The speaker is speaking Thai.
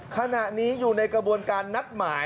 ขณะนี้อยู่ในกระบวนการนัดหมาย